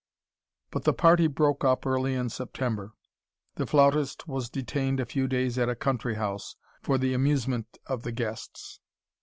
But the party broke up early in September. The flautist was detained a few days at a country house, for the amusement of the guests.